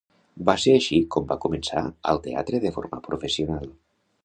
Va ser així com va començar al teatre de forma professional.